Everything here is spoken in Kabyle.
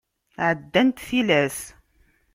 Ɛeddant tilas.